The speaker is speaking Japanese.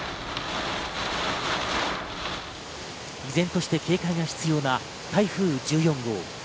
依然として警戒が必要な台風１４号。